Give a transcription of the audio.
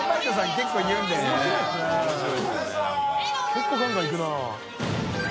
結構ガンガンいくな。